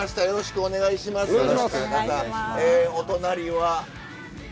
よろしくお願いします。